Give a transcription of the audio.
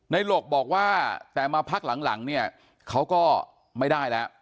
หลกบอกว่าแต่มาพักหลังเนี่ยเขาก็ไม่ได้แล้ว